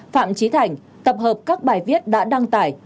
phạm trí thành tập hợp các bài viết đã đăng tải